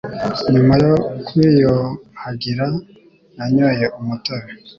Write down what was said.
Nyuma yo kwiyuhagira, nanyoye umutobe.